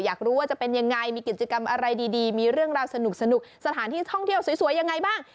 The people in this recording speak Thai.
อยากรู้ว่าจะเป็นยังไงมีกิจกรรมอะไรดีมีเรื่องราวสนุกสถานที่ท่องเที่ยวสวยยังไงบ้าง